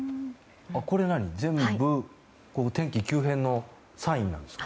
これは全部天気急変のサインですか？